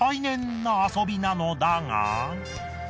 な遊びなのだが。